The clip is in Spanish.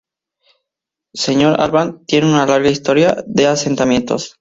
St Albans tiene una larga historia de asentamientos.